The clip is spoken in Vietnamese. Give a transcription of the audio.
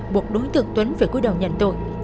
buộc đối tượng tuấn phải cuối đầu nhận tội